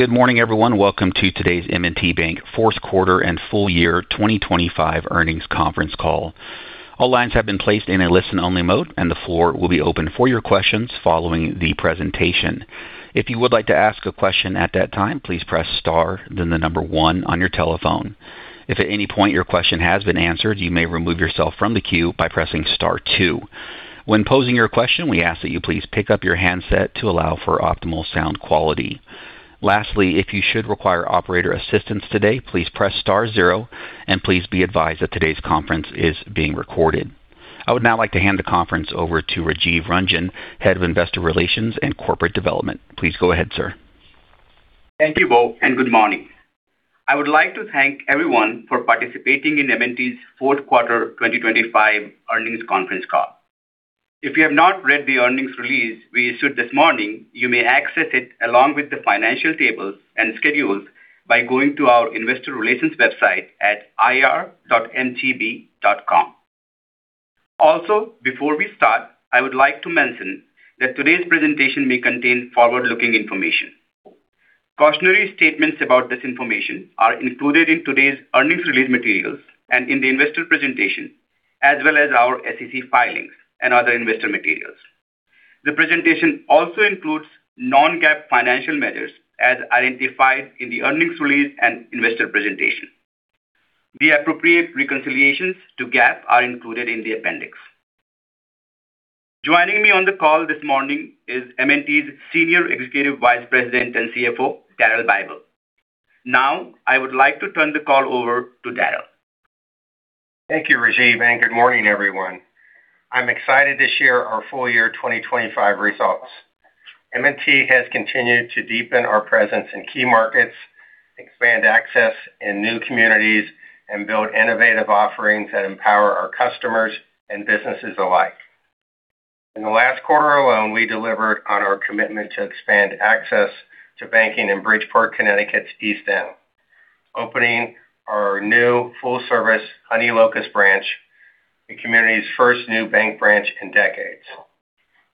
Good morning, everyone. Welcome to today's M&T Bank fourth quarter and full year 2025 earnings conference call. All lines have been placed in a listen-only mode, and the floor will be open for your questions following the presentation. If you would like to ask a question at that time, please press star, then the number one on your telephone. If at any point your question has been answered, you may remove yourself from the queue by pressing star two. When posing your question, we ask that you please pick up your handset to allow for optimal sound quality. Lastly, if you should require operator assistance today, please press star zero, and please be advised that today's conference is being recorded. I would now like to hand the conference over to Rajiv Ranjan, Head of Investor Relations and Corporate Development. Please go ahead, sir. Thank you both, and good morning. I would like to thank everyone for participating in M&T's fourth quarter 2025 earnings conference call. If you have not read the earnings release we issued this morning, you may access it along with the financial tables and schedules by going to our investor relations website at ir.mtb.com. Also, before we start, I would like to mention that today's presentation may contain forward-looking information. Cautionary statements about this information are included in today's earnings release materials and in the investor presentation, as well as our SEC filings and other investor materials. The presentation also includes non-GAAP financial measures as identified in the earnings release and investor presentation. The appropriate reconciliations to GAAP are included in the appendix. Joining me on the call this morning is M&T's Senior Executive Vice President and CFO, Daryl Bible. Now, I would like to turn the call over to Daryl. Thank you, Rajiv, and good morning, everyone. I'm excited to share our full year 2025 results. M&T has continued to deepen our presence in key markets, expand access in new communities, and build innovative offerings that empower our customers and businesses alike. In the last quarter alone, we delivered on our commitment to expand access to banking in Bridgeport, Connecticut's East End, opening our new full-service Honey Locust branch, the community's first new bank branch in decades.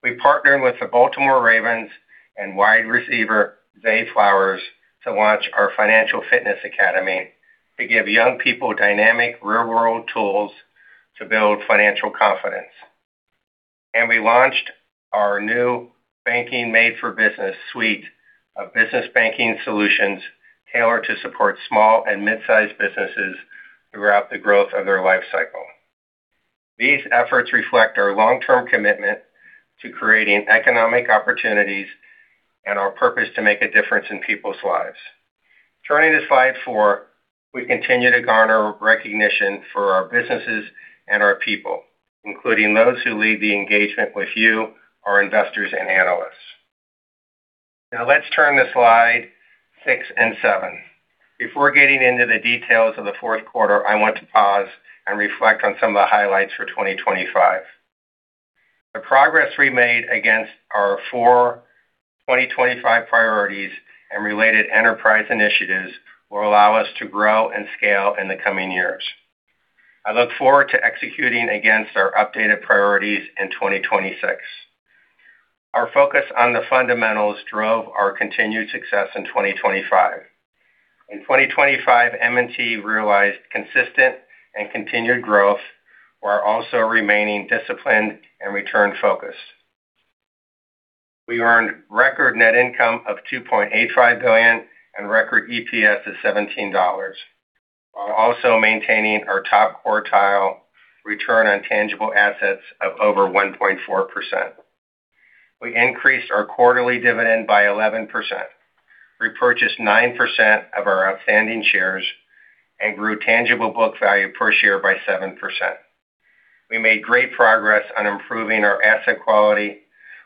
We partnered with the Baltimore Ravens and wide receiver Zay Flowers to launch our Financial Fitness Academy to give young people dynamic real-world tools to build financial confidence. And we launched our new Banking Made for Business suite of Business Banking solutions tailored to support small and mid-sized businesses throughout the growth of their lifecycle. These efforts reflect our long-term commitment to creating economic opportunities and our purpose to make a difference in people's lives. Turning to slide 4, we continue to garner recognition for our businesses and our people, including those who lead the engagement with you, our investors, and analysts. Now, let's turn to slides 6 and 7. Before getting into the details of the fourth quarter, I want to pause and reflect on some of the highlights for 2025. The progress we made against our four 2025 priorities and related enterprise initiatives will allow us to grow and scale in the coming years. I look forward to executing against our updated priorities in 2026. Our focus on the fundamentals drove our continued success in 2025. In 2025, M&T realized consistent and continued growth while also remaining disciplined and return-focused. We earned record net income of $2.85 billion and record EPS of $17, while also maintaining our top quartile return on tangible assets of over 1.4%. We increased our quarterly dividend by 11%, repurchased 9% of our outstanding shares, and grew tangible book value per share by 7%. We made great progress on improving our asset quality,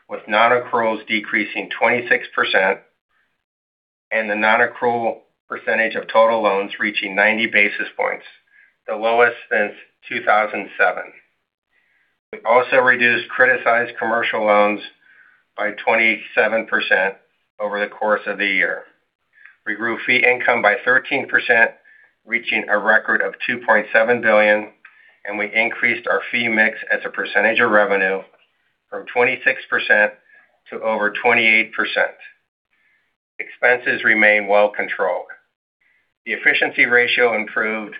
with non-accruals decreasing 26% and the non-accrual percentage of total loans reaching 90 basis points, the lowest since 2007. We also reduced criticized commercial loans by 27% over the course of the year. We grew fee income by 13%, reaching a record of $2.7 billion, and we increased our fee mix as a percentage of revenue from 26% to over 28%. Expenses remain well controlled. The efficiency ratio improved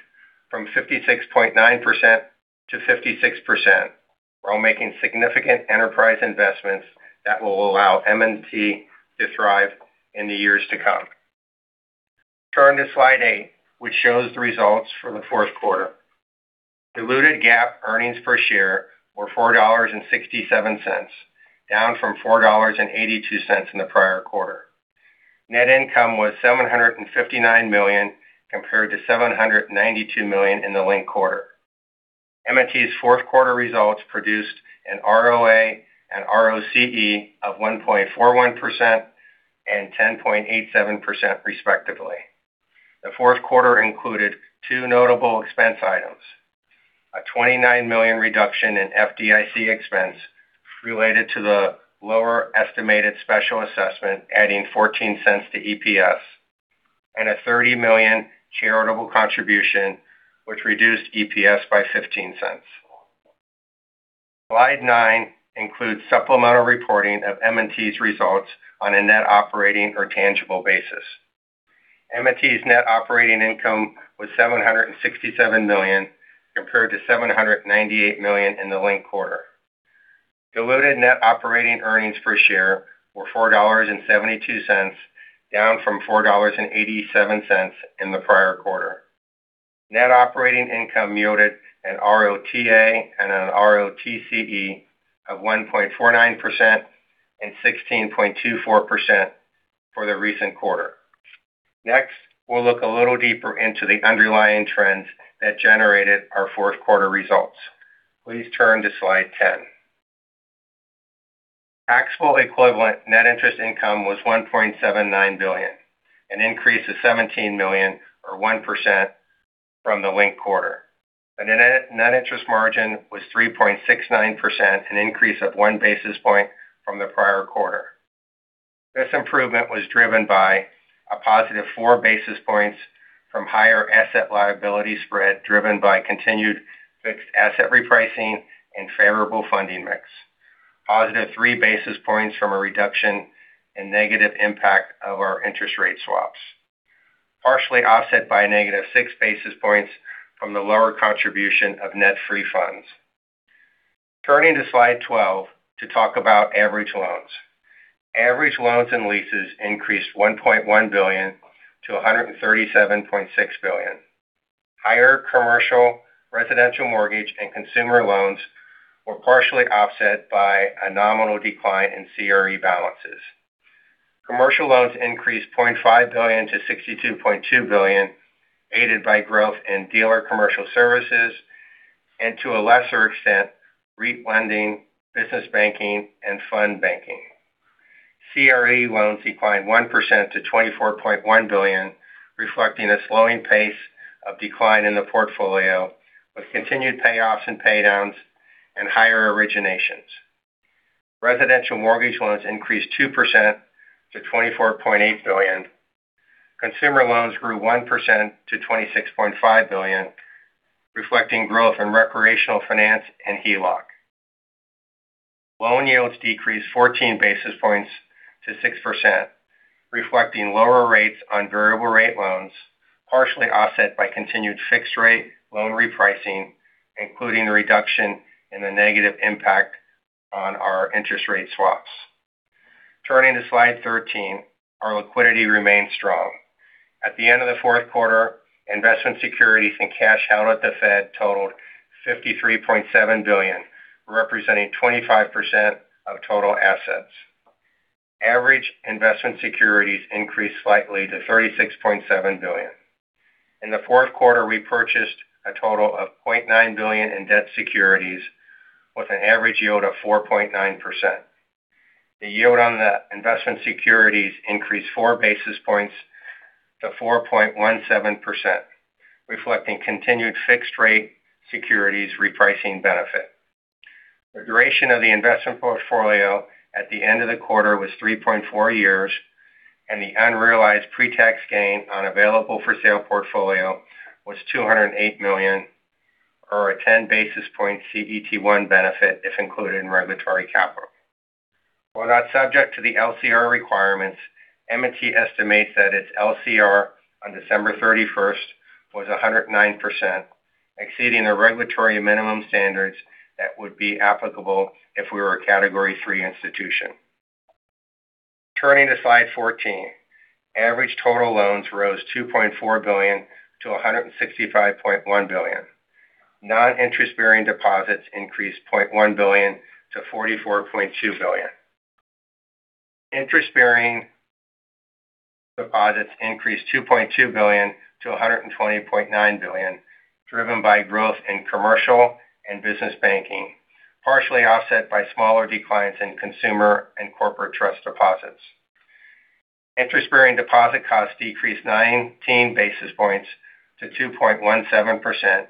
from 56.9% to 56%, while making significant enterprise investments that will allow M&T to thrive in the years to come. Turn to slide 8, which shows the results for the fourth quarter. Diluted GAAP earnings per share were $4.67, down from $4.82 in the prior quarter. Net income was $759 million compared to $792 million in the linked quarter. M&T's fourth quarter results produced an ROA and ROCE of 1.41% and 10.87%, respectively. The fourth quarter included two notable expense items: a $29 million reduction in FDIC expense related to the lower estimated special assessment, adding $0.14 to EPS, and a $30 million charitable contribution, which reduced EPS by $0.15. slide 9 includes supplemental reporting of M&T's results on a net operating or tangible basis. M&T's net operating income was $767 million compared to $798 million in the linked quarter. Diluted net operating earnings per share were $4.72, down from $4.87 in the prior quarter. Net operating income yielded an ROTA and an ROTCE of 1.49% and 16.24% for the recent quarter. Next, we'll look a little deeper into the underlying trends that generated our fourth quarter results. Please turn to slide 10. Taxable equivalent net interest income was $1.79 billion, an increase of $17 million, or 1%, from the linked quarter. The net interest margin was 3.69%, an increase of one basis point from the prior quarter. This improvement was driven by a positive four basis points from higher asset liability spread driven by continued fixed asset repricing and favorable funding mix, positive three basis points from a reduction in negative impact of our interest rate swaps, partially offset by negative six basis points from the lower contribution of net-free funds. Turning to slide 12 to talk about average loans. Average loans and leases increased $1.1 billion to $137.6 billion. Higher Commercial, residential mortgage, and consumer loans were partially offset by a nominal decline in CRE balances. Commercial loans increased $0.5 billion to $62.2 billion, aided by growth in Dealer Commercial Services and, to a lesser extent, REIT Lending, Business Banking, and Fund Banking. CRE loans declined 1% to $24.1 billion, reflecting a slowing pace of decline in the portfolio, with continued payoffs and paydowns and higher originations. Residential mortgage loans increased 2% to $24.8 billion. Consumer loans grew 1% to $26.5 billion, reflecting growth in Recreational Finance and HELOC. Loan yields decreased 14 basis points to 6%, reflecting lower rates on variable rate loans, partially offset by continued fixed-rate loan repricing, including the reduction in the negative impact on our interest rate swaps. Turning to slide 13, our liquidity remained strong. At the end of the fourth quarter, investment securities and cash held at the Fed totaled $53.7 billion, representing 25% of total assets. Average investment securities increased slightly to $36.7 billion. In the fourth quarter, we purchased a total of $0.9 billion in debt securities, with an average yield of 4.9%. The yield on the investment securities increased four basis points to 4.17%, reflecting continued fixed-rate securities repricing benefit. The duration of the investment portfolio at the end of the quarter was 3.4 years, and the unrealized pre-tax gain on available-for-sale portfolio was $208 million, or a 10 basis point CET1 benefit if included in regulatory capital. While not subject to the LCR requirements, M&T estimates that its LCR on December 31st was 109%, exceeding the regulatory minimum standards that would be applicable if we were a Category III institution. Turning to slide 14, average total loans rose $2.4 billion to $165.1 billion. Non-interest-bearing deposits increased $0.1 billion to $44.2 billion. Interest-bearing deposits increased $2.2 billion to $120.9 billion, driven by growth in Commercial and Business Banking, partially offset by smaller declines in consumer and Corporate Trust deposits. Interest-bearing deposit costs decreased 19 basis points to 2.17%,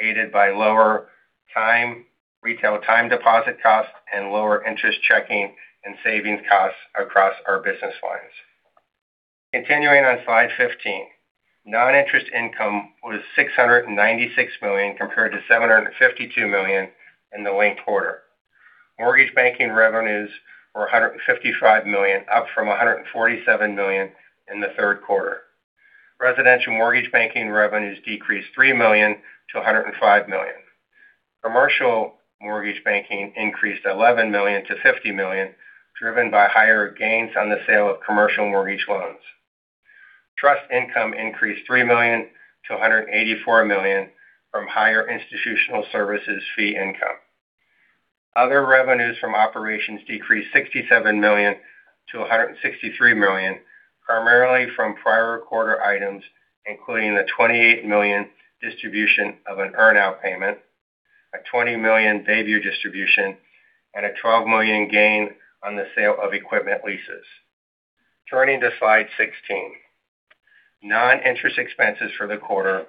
aided by lower Retail time deposit costs and lower interest checking and savings costs across our business lines. Continuing on slide 15, non-interest income was $696 million compared to $752 million in the linked quarter. Mortgage banking revenues were $155 million, up from $147 million in the third quarter. Residential mortgage banking revenues decreased $3 million to $105 million. Commercial mortgage banking increased $11 million to $50 million, driven by higher gains on the sale of Commercial mortgage loans. Trust income increased $3 million to $184 million from higher institutional services fee income. Other revenues from operations decreased $67 million to $163 million, primarily from prior quarter items, including a $28 million distribution of an earn-out payment, a $20 million debut distribution, and a $12 million gain on the sale of equipment leases. Turning to slide 16, non-interest expenses for the quarter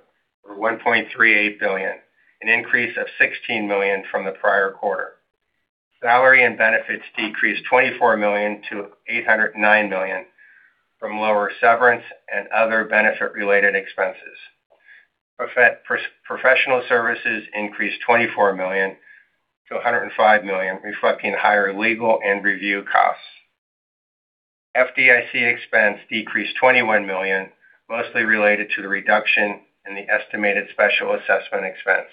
were $1.38 billion, an increase of $16 million from the prior quarter. Salary and benefits decreased $24 million to $809 million from lower severance and other benefit-related expenses. Professional services increased $24 million to $105 million, reflecting higher legal and review costs. FDIC expense decreased $21 million, mostly related to the reduction in the estimated special assessment expense.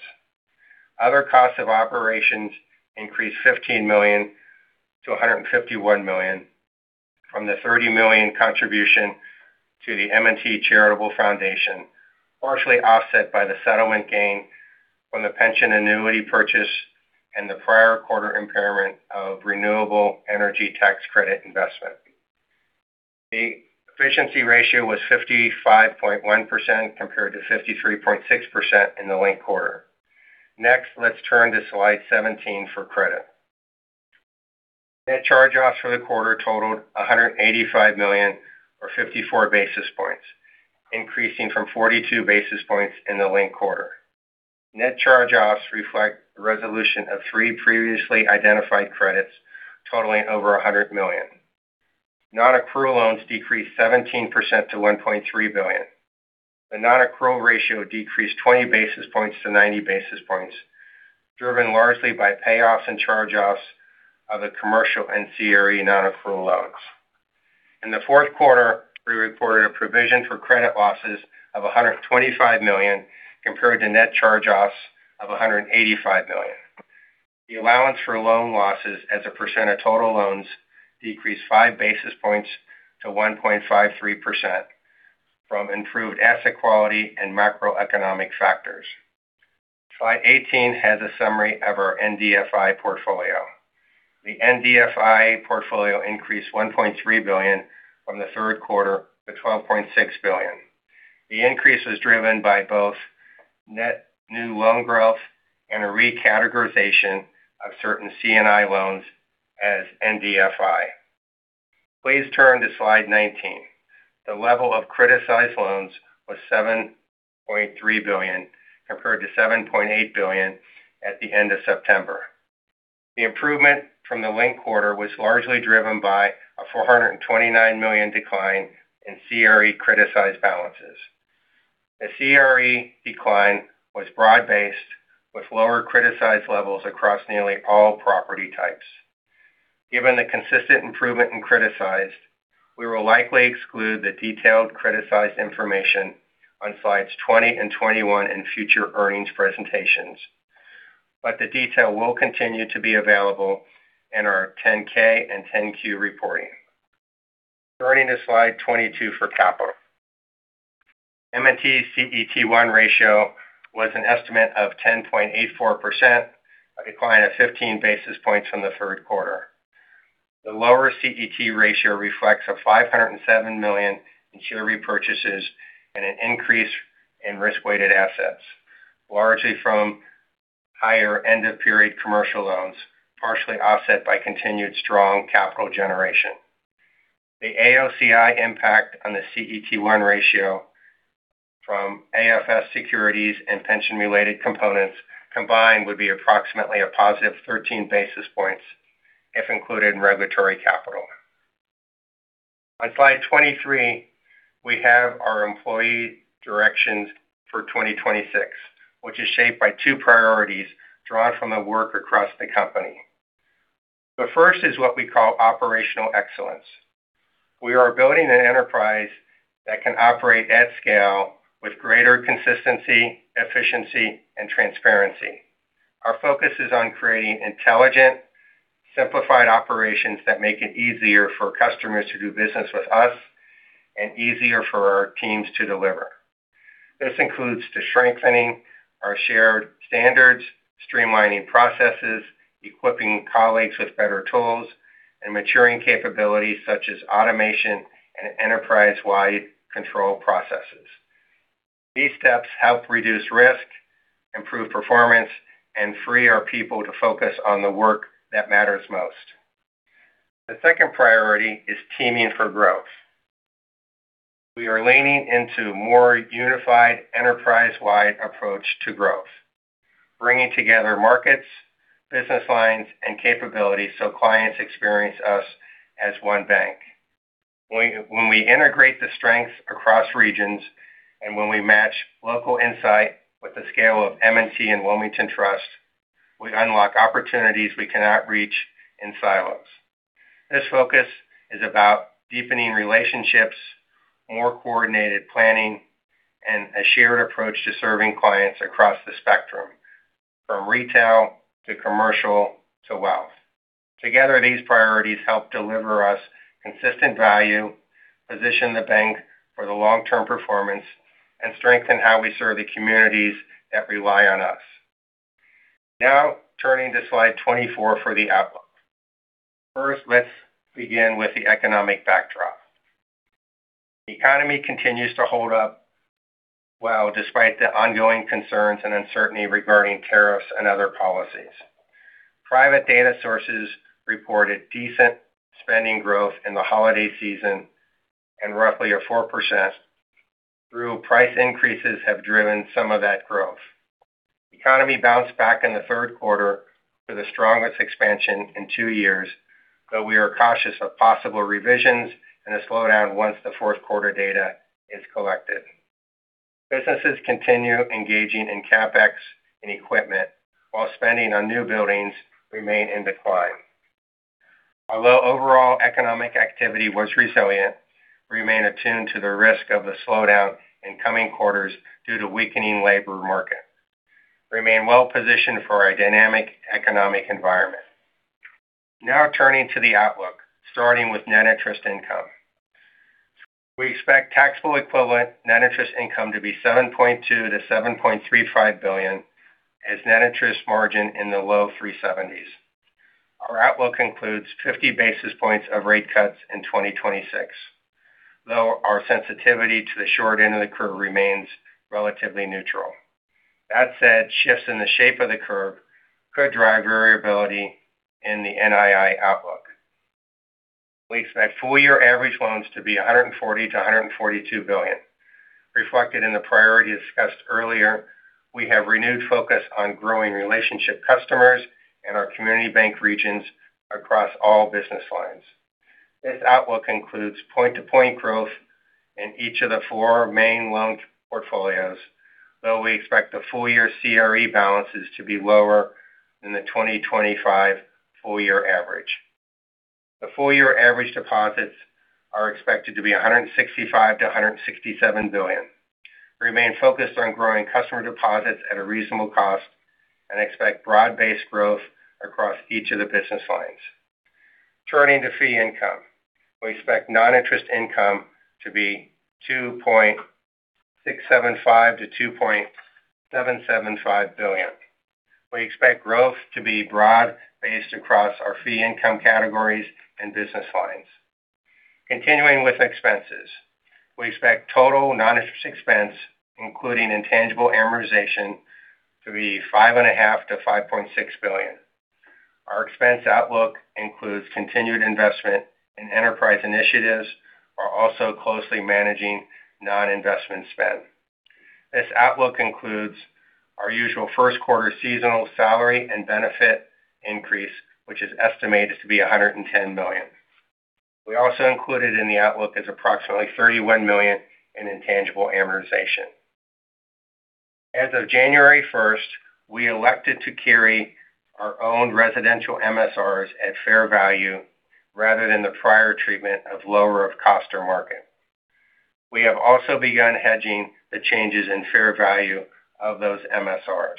Other costs of operations increased $15 million to $151 million from the $30 million contribution to the M&T Charitable Foundation, partially offset by the settlement gain from the pension annuity purchase and the prior quarter impairment of renewable energy tax credit investment. The efficiency ratio was 55.1% compared to 53.6% in the linked quarter. Next, let's turn to slide 17 for credit. Net charge-offs for the quarter totaled $185 million, or 54 basis points, increasing from 42 basis points in the linked quarter. Net charge-offs reflect the resolution of three previously identified credits totaling over $100 million. Non-accrual loans decreased 17% to $1.3 billion. The non-accrual ratio decreased 20 basis points to 90 basis points, driven largely by payoffs and charge-offs of the Commercial and CRE non-accrual loans. In the fourth quarter, we reported a provision for credit losses of $125 million compared to net charge-offs of $185 million. The allowance for loan losses as a percent of total loans decreased five basis points to 1.53% from improved asset quality and macroeconomic factors. slide 18 has a summary of our NDFI portfolio. The NDFI portfolio increased $1.3 billion from the third quarter to $12.6 billion. The increase was driven by both net new loan growth and a recategorization of certain C&I loans as NDFI. Please turn to slide 19. The level of criticized loans was $7.3 billion compared to $7.8 billion at the end of September. The improvement from the linked quarter was largely driven by a $429 million decline in CRE criticized balances. The CRE decline was broad-based, with lower criticized levels across nearly all property types. Given the consistent improvement in criticized, we will likely exclude the detailed criticized information on slides 20 and 21 in future earnings presentations, but the detail will continue to be available in our 10-K and 10-Q reporting. Turning to slide 22 for capital. M&T's CET1 ratio was an estimate of 10.84%, a decline of fifteen basis points from the third quarter. The lower CET1 ratio reflects a $507 million in share repurchases and an increase in risk-weighted assets, largely from higher end-of-period Commercial loans, partially offset by continued strong capital generation. The AOCI impact on the CET1 ratio from AFS securities and pension-related components combined would be approximately a positive thirteen basis points if included in regulatory capital. On slide 23, we have our employee directions for 2026, which is shaped by two priorities drawn from the work across the company. The first is what we call Operational Excellence. We are building an enterprise that can operate at scale with greater consistency, efficiency, and transparency. Our focus is on creating intelligent, simplified operations that make it easier for customers to do business with us and easier for our teams to deliver. This includes strengthening our shared standards, streamlining processes, equipping colleagues with better tools, and maturing capabilities such as automation and enterprise-wide control processes. These steps help reduce risk, improve performance, and free our people to focus on the work that matters most. The second priority is Teaming for Growth. We are leaning into a more unified enterprise-wide approach to growth, bringing together markets, business lines, and capabilities so clients experience us as one bank. When we integrate the strengths across regions and when we match local insight with the scale of M&T and Wilmington Trust, we unlock opportunities we cannot reach in silos. This focus is about deepening relationships, more coordinated planning, and a shared approach to serving clients across the spectrum, from Retail to Commercial to Wealth. Together, these priorities help deliver us consistent value, position the bank for the long-term performance, and strengthen how we serve the communities that rely on us. Now, turning to slide 24 for the outlook. First, let's begin with the economic backdrop. The economy continues to hold up well despite the ongoing concerns and uncertainty regarding tariffs and other policies. Private data sources reported decent spending growth in the holiday season and roughly a 4% through price increases have driven some of that growth. The economy bounced back in the third quarter with the strongest expansion in two years, though we are cautious of possible revisions and a slowdown once the fourth quarter data is collected. Businesses continue engaging in CapEx and equipment, while spending on new buildings remains in decline. Although overall economic activity was resilient, we remain attuned to the risk of the slowdown in coming quarters due to weakening labor markets. We remain well-positioned for a dynamic economic environment. Now, turning to the outlook, starting with net interest income. We expect taxable equivalent net interest income to be $7.2-$7.35 billion, as net interest margin in the low three seventies. Our outlook includes fifty basis points of rate cuts in 2026, though our sensitivity to the short end of the curve remains relatively neutral. That said, shifts in the shape of the curve could drive variability in the NII outlook. We expect full-year average loans to be $140-$142 billion, reflected in the priorities discussed earlier. We have renewed focus on growing relationship customers and our community bank regions across all business lines. This outlook includes point-to-point growth in each of the four main loan portfolios, though we expect the full-year CRE balances to be lower than the 2025 full-year average. The full-year average deposits are expected to be $165-$167 billion. We remain focused on growing customer deposits at a reasonable cost and expect broad-based growth across each of the business lines. Turning to fee income, we expect non-interest income to be $2.675-$2.775 billion. We expect growth to be broad-based across our fee income categories and business lines. Continuing with expenses, we expect total non-interest expense, including intangible amortization, to be $5.5-$5.6 billion. Our expense outlook includes continued investment in enterprise initiatives, while also closely managing non-investment spend. This outlook includes our usual first quarter seasonal salary and benefit increase, which is estimated to be $110 million. We also included in the outlook approximately $31 million in intangible amortization. As of January first, we elected to carry our own residential MSRs at fair value rather than the prior treatment of lower of cost or market. We have also begun hedging the changes in fair value of those MSRs.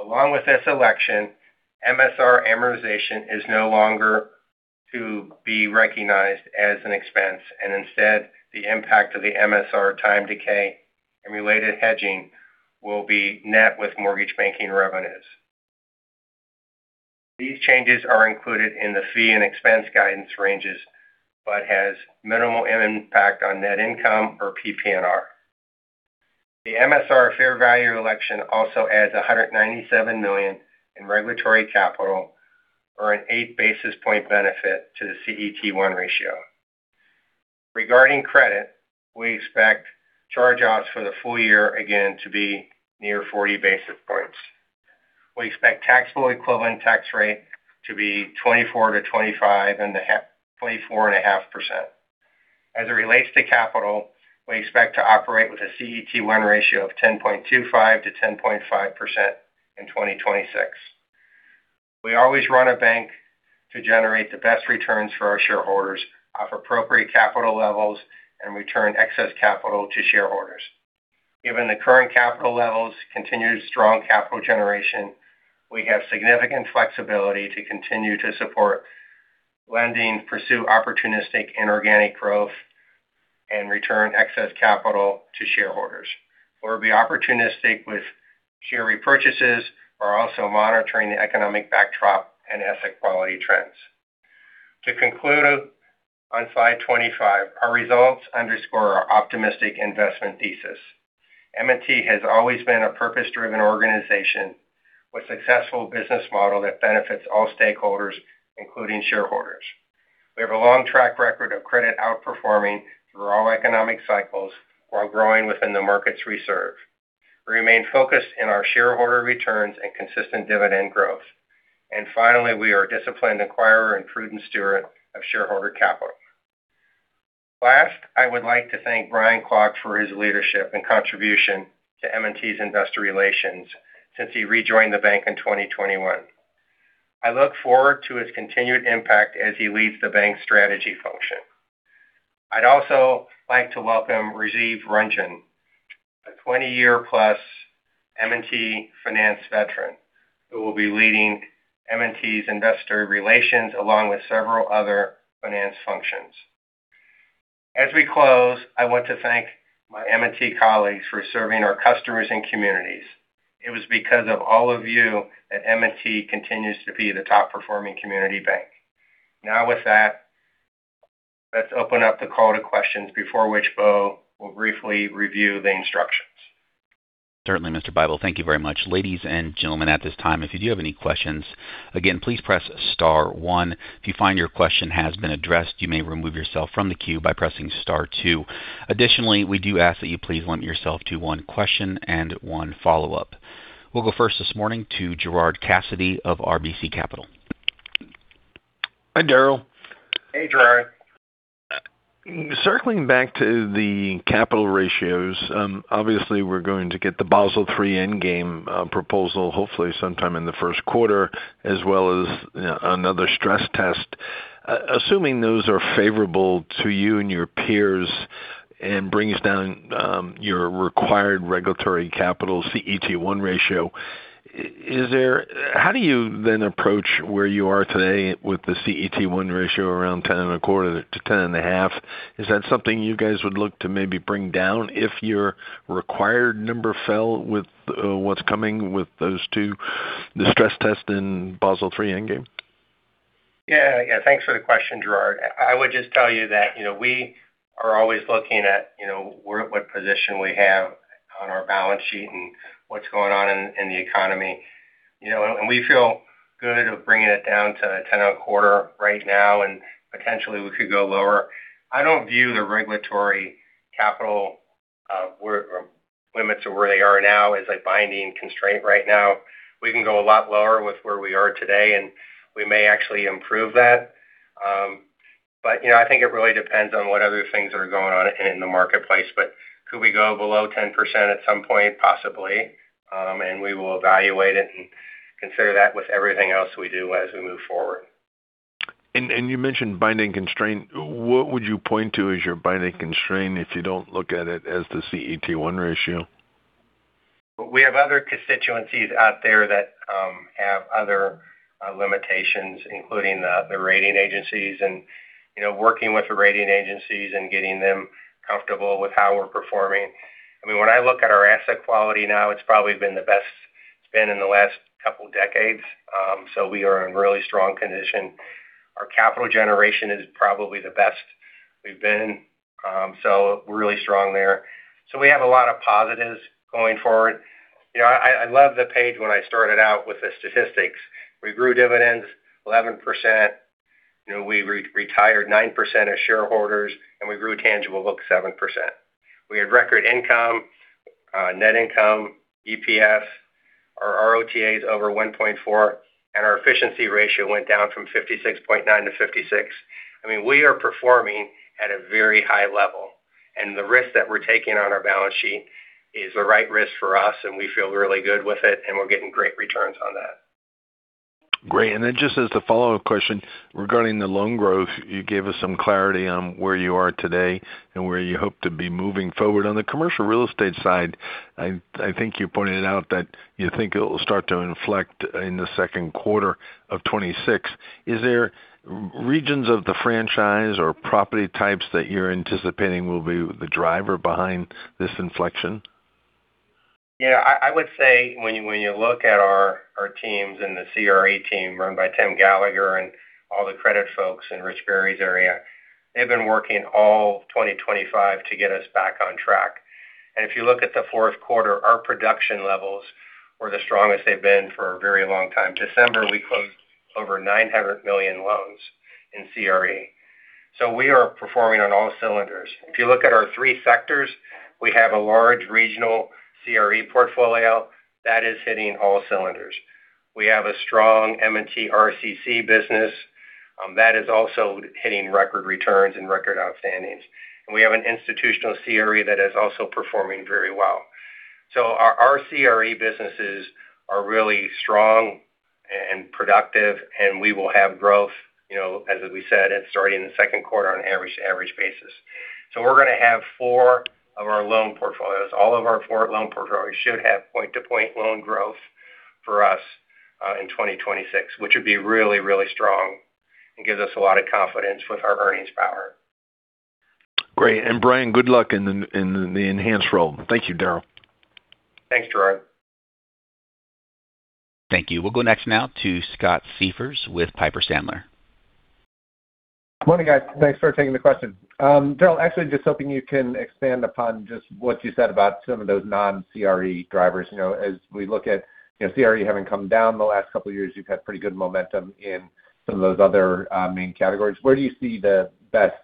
Along with this election, MSR amortization is no longer to be recognized as an expense, and instead, the impact of the MSR time decay and related hedging will be net with mortgage banking revenues. These changes are included in the fee and expense guidance ranges but have minimal impact on net income or PP&R. The MSR fair value election also adds $197 million in regulatory capital, or an eight basis point benefit to the CET1 ratio. Regarding credit, we expect charge-offs for the full year again to be near forty basis points. We expect taxable equivalent tax rate to be 24%-25% and 24.5%. As it relates to capital, we expect to operate with a CET1 ratio of 10.25%-10.5% in 2026. We always run a bank to generate the best returns for our shareholders off appropriate capital levels and return excess capital to shareholders. Given the current capital levels, continued strong capital generation, we have significant flexibility to continue to support lending, pursue opportunistic inorganic growth, and return excess capital to shareholders. We'll be opportunistic with share repurchases while also monitoring the economic backdrop and asset quality trends. To conclude on slide 25, our results underscore our optimistic investment thesis. M&T has always been a purpose-driven organization with a successful business model that benefits all stakeholders, including shareholders. We have a long track record of credit outperforming through all economic cycles, while growing within the markets we serve. We remain focused in our shareholder returns and consistent dividend growth. And finally, we are a disciplined acquirer and prudent steward of shareholder capital. Last, I would like to thank Brian Klock for his leadership and contribution to M&T's investor relations since he rejoined the bank in 2021. I look forward to his continued impact as he leads the bank's strategy function. I'd also like to welcome Rajiv Ranjan, a twenty-year-plus M&T finance veteran who will be leading M&T's investor relations along with several other finance functions. As we close, I want to thank my M&T colleagues for serving our customers and communities. It was because of all of you that M&T continues to be the top-performing community bank. Now, with that, let's open up the call to questions, before which Beau will briefly review the instructions. Certainly, Mr. Bible, thank you very much. Ladies and gentlemen, at this time, if you do have any questions, again, please press star one. If you find your question has been addressed, you may remove yourself from the queue by pressing star two. Additionally, we do ask that you please limit yourself to one question and one follow-up. We'll go first this morning to Gerard Cassidy of RBC Capital. Hi, Daryl. Hey, Gerard. Circling back to the capital ratios, obviously, we're going to get the Basel III Endgame proposal, hopefully sometime in the first quarter, as well as another stress test. Assuming those are favorable to you and your peers and bring down your required regulatory capital CET1 ratio, how do you then approach where you are today with the CET1 ratio around 10.25% to 10.5%? Is that something you guys would look to maybe bring down if your required number fell with what's coming with those two, the stress test and Basel III Endgame? Yeah, yeah. Thanks for the question, Gerard. I would just tell you that we are always looking at what position we have on our balance sheet and what's going on in the economy. And we feel good about bringing it down to ten and a quarter right now, and potentially we could go lower. I don't view the regulatory capital limits or where they are now as a binding constraint right now. We can go a lot lower with where we are today, and we may actually improve that. But I think it really depends on what other things are going on in the marketplace. But could we go below 10% at some point? Possibly. We will evaluate it and consider that with everything else we do as we move forward. You mentioned binding constraint. What would you point to as your binding constraint if you don't look at it as the CET1 ratio? We have other constituencies out there that have other limitations, including the rating agencies. Working with the rating agencies and getting them comfortable with how we're performing. I mean, when I look at our asset quality now, it's probably been the best it's been in the last couple of decades. We are in really strong condition. Our capital generation is probably the best we've been. We're really strong there. We have a lot of positives going forward. I love the page when I started out with the statistics. We grew dividends 11%. We retired 9% of shareholders, and we grew tangible books seven%. We had record income, net income, EPS, our ROTAs over 1.4, and our efficiency ratio went down from 56.9% to 56%. I mean, we are performing at a very high level, and the risk that we're taking on our balance sheet is the right risk for us, and we feel really good with it, and we're getting great returns on that. Great, and then just as the follow-up question regarding the loan growth, you gave us some clarity on where you are today and where you hope to be moving forward. On the Commercial real estate side, I think you pointed out that you think it will start to inflect in the second quarter of 2026. Is there regions of the franchise or property types that you're anticipating will be the driver behind this inflection? Yeah. I would say when you look at our teams and the CRE team run by Tim Gallagher and all the credit folks in Rich Barry's area, they've been working all 2025 to get us back on track, and if you look at the fourth quarter, our production levels were the strongest they've been for a very long time. In December, we closed over $900 million in CRE loans. So we are performing on all cylinders. If you look at our three sectors, we have a large regional CRE portfolio that is hitting all cylinders. We have a strong M&T RCC business that is also hitting record returns and record outstandings, and we have an institutional CRE that is also performing very well. So our CRE businesses are really strong and productive, and we will have growth, as we said, starting in the second quarter on an average basis. So we're going to have four of our loan portfolios. All of our four loan portfolios should have point-to-point loan growth for us in 2026, which would be really, really strong and gives us a lot of confidence with our earnings power. Great. And Brian, good luck in the enhanced role. Thank you, Daryl. Thanks, Gerard. Thank you. We'll go next now to Scott Siefers with Piper Sandler. Good morning, guys. Thanks for taking the question. Daryl, actually, just hoping you can expand upon just what you said about some of those non-CRE drivers. As we look at CRE having come down the last couple of years, you've had pretty good momentum in some of those other main categories. Where do you see the best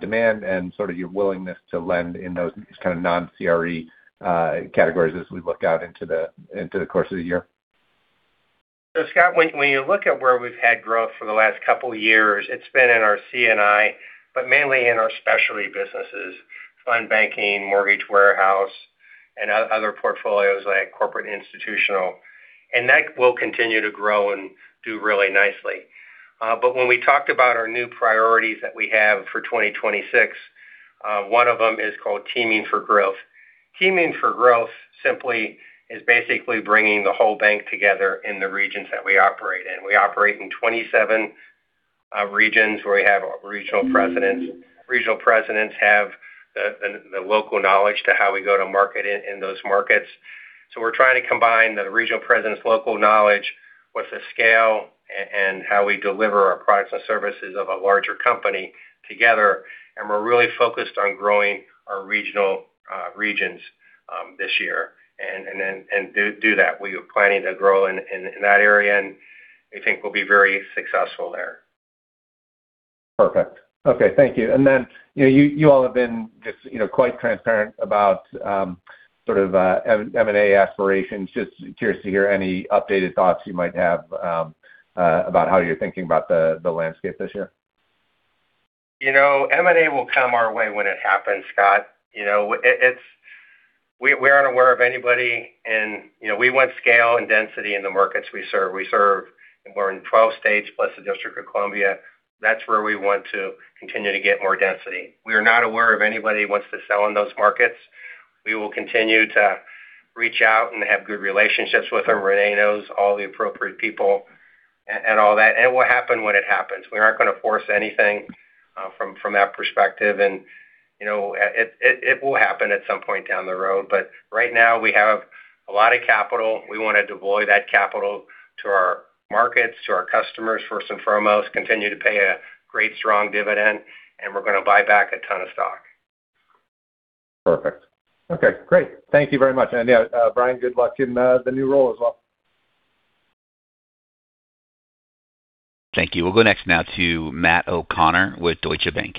demand and sort of your willingness to lend in those kind of non-CRE categories as we look out into the course of the year? So, Scott, when you look at where we've had growth for the last couple of years, it's been in our C&I, but mainly in our specialty businesses: Fund Banking, Mortgage Warehouse, and other portfolios like Corporate & Institutional. And that will continue to grow and do really nicely. But when we talked about our new priorities that we have for 2026, one of them is called Teaming for Growth. Teaming for Growth simply is basically bringing the whole bank together in the regions that we operate in. We operate in 27 regions where we have regional presidents. Regional presidents have the local knowledge to how we go to market in those markets. So we're trying to combine the regional president's local knowledge with the scale and how we deliver our products and services of a larger company together. We're really focused on growing our regional regions this year and do that. We are planning to grow in that area, and we think we'll be very successful there. Perfect. Okay. Thank you. You all have been just quite transparent about sort of M&A aspirations. Just curious to hear any updated thoughts you might have about how you're thinking about the landscape this year? M&A will come our way when it happens, Scott. We aren't aware of anybody. We want scale and density in the markets we serve. We serve more than 12 states plus the District of Columbia. That's where we want to continue to get more density. We are not aware of anybody who wants to sell in those markets. We will continue to reach out and have good relationships with them. René knows all the appropriate people and all that. And it will happen when it happens. We aren't going to force anything from that perspective. And it will happen at some point down the road. But right now, we have a lot of capital. We want to deploy that capital to our markets, to our customers first and foremost, continue to pay a great, strong dividend, and we're going to buy back a ton of stock. Perfect. Okay. Great. Thank you very much. And yeah, Brian, good luck in the new role as well. Thank you. We'll go next now to Matt O'Connor with Deutsche Bank.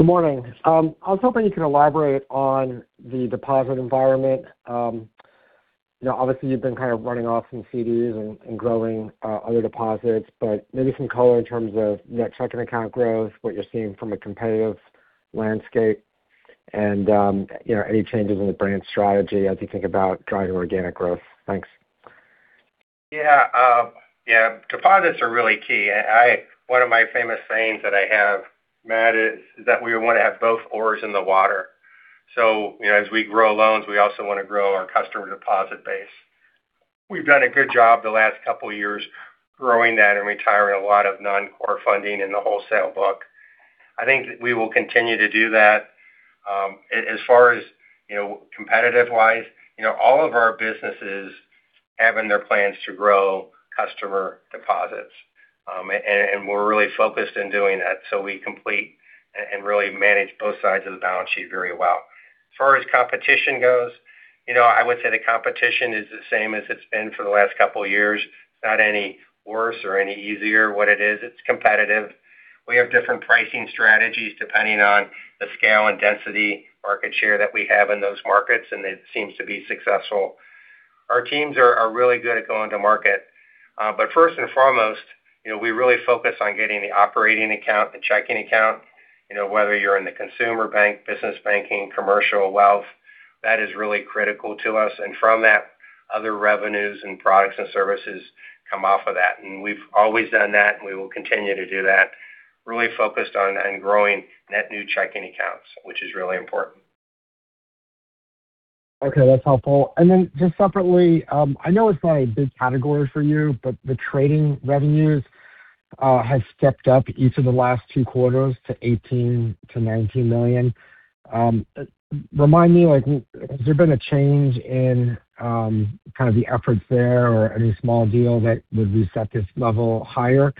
Good morning. I was hoping you could elaborate on the deposit environment. Obviously, you've been kind of running off some CDs and growing other deposits, but maybe some color in terms of net checking account growth, what you're seeing from a competitive landscape, and any changes in the brand strategy as you think about driving organic growth? Thanks. Yeah. Yeah. Deposits are really key. One of my famous sayings that I have, Matt, is that we want to have both oars in the water. So as we grow loans, we also want to grow our customer deposit base. We've done a good job the last couple of years growing that and retiring a lot of non-core funding in the wholesale book. I think we will continue to do that. As far as competitive-wise, all of our businesses have in their plans to grow customer deposits. And we're really focused in doing that. So we complete and really manage both sides of the balance sheet very well. As far as competition goes, I would say the competition is the same as it's been for the last couple of years. It's not any worse or any easier. What it is, it's competitive. We have different pricing strategies depending on the scale and density market share that we have in those markets, and it seems to be successful. Our teams are really good at going to market. But first and foremost, we really focus on getting the operating account and checking account, whether you're in the Consumer Bank, Business Banking, Commercial, Wealth. That is really critical to us. And from that, other revenues and products and services come off of that. And we've always done that, and we will continue to do that, really focused on growing net new checking accounts, which is really important. Okay. That's helpful. And then just separately, I know it's not a big category for you, but the trading revenues have stepped up each of the last two quarters to $18 million-$19 million. Remind me, has there been a change in kind of the efforts there or any small deal that would reset this level higher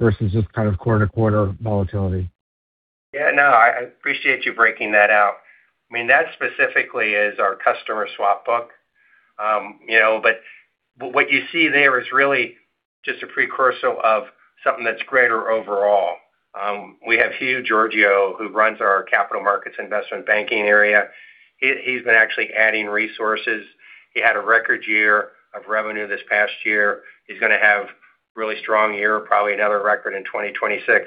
versus just kind of quarter-to-quarter volatility? Yeah. No, I appreciate you breaking that out. I mean, that specifically is our customer swap book. But what you see there is really just a precursor of something that's greater overall. We have Hugh George, who runs our Capital Markets Investment Banking area. He's been actually adding resources. He had a record year of revenue this past year. He's going to have a really strong year, probably another record in 2026.